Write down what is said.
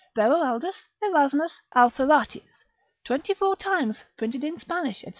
Beroaldus, Erasmus, Alpheratius, twenty four times printed in Spanish, &c.